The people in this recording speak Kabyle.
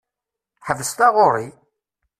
Ḥbes taɣuṛi!